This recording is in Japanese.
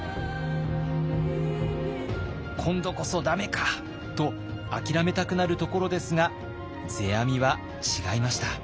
今度こそ駄目かと諦めたくなるところですが世阿弥は違いました。